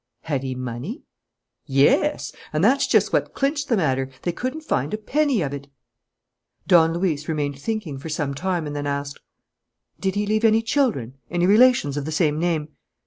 "Had he money?" "Yes; and that's just what clinched the matter: they couldn't find a penny of it!" Don Luis remained thinking for some time and then asked: "Did he leave any children, any relations of the same name?"